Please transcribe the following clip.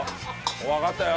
わかったよ。